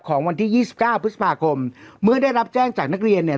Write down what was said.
ของวันที่ยี่สิบเก้าพฤษภาคมเมื่อได้รับแจ้งจากนักเรียนเนี่ย